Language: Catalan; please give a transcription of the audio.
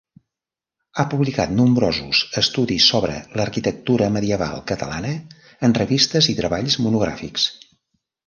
Ha publicat nombrosos estudis sobre l'arquitectura medieval catalana, en revistes i treballs monogràfics.